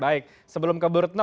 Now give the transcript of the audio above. baik sebelum ke bu retno